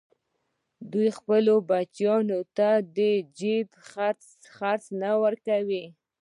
دوی خپلو بچیانو ته د جېب خرڅ نه ورکوي